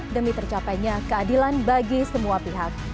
demi tercapainya keadilan bagi semua pihak